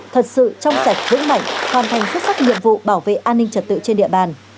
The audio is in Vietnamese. thật sự trong sạch vững mạnh hoàn thành xuất sắc nhiệm vụ bảo vệ an ninh trật tự trên địa bàn